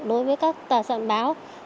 đối với các tờ sản báo